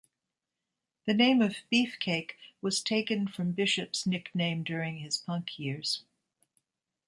The name of Beefcake was taken from Bishop's nickname during his punk years.